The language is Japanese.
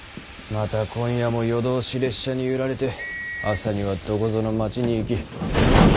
また今夜も夜通し列車に揺られて朝にはどこぞの町に行き。